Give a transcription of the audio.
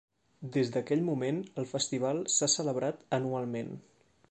Des d'aquell moment, el festival s"ha celebrat anualment.